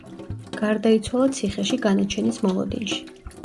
გარდაიცვალა ციხეში განაჩენის მოლოდინში.